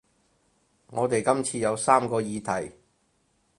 我哋今次有三個議題